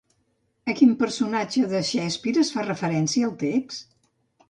A quin personatge de Shakespeare es fa referència al text?